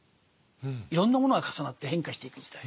いろんなものが重なって変化していく時代。